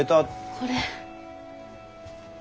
これ。